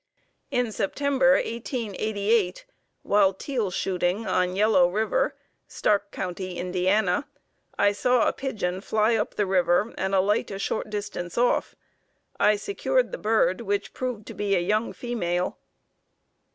In September, 1888, while teal shooting on Yellow River, Stark County, Ind., I saw a pigeon fly up the river and alight a short distance off. I secured the bird which proved to be a young female.